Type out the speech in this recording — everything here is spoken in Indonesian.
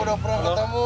udah pernah ketemu